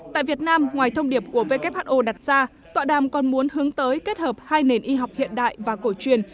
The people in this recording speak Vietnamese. tại việt nam ngoài thông điệp của who đặt ra tọa đàm còn muốn hướng tới kết hợp hai nền y học hiện đại và cổ truyền